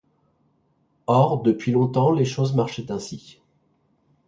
Or, depuis longtemps les choses marchaient ainsi.